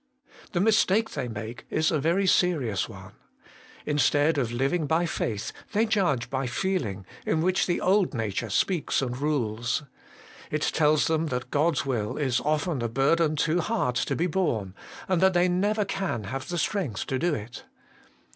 The mistake they make is a very serious one. 230 HOLY IN CHRIST. Instead of living by faith they judge by feeling, in which the old nature speaks and rules. It tells them that God's will is often a burden too hard to be borne, and that they never can have the strength to do it.